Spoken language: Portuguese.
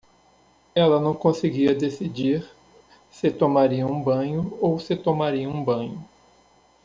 Ela não conseguia decidir se tomaria um banho ou se tomaria um banho.